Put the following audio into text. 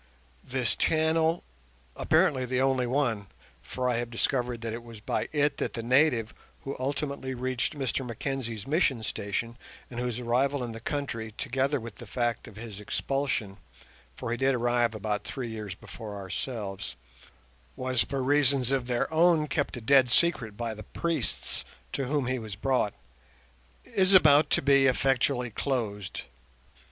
This channel, apparently the only one (for I have discovered that it was by it that the native who ultimately reached Mr Mackenzie's mission station, and whose arrival in the country, together with the fact of his expulsion—for he did arrive about three years before ourselves—was for reasons of their own kept a dead secret by the priests to whom he was brought), is about to be effectually closed.